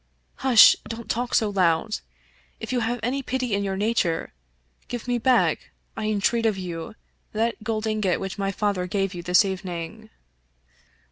" Hush I don't talk so loud. If you have any pity in your nature, give me back, I entreat of you, that gold ingot which my father gave you this evening."